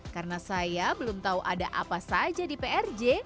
karena saya belum tahu ada apa saja di prj